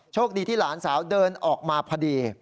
โชคดีที่หลานสาวเดินออกมาพอดี